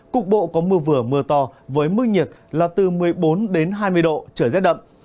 cục bộ có mưa vừa mưa to với mức nhiệt là từ một mươi bốn đến hai mươi độ trời rét đậm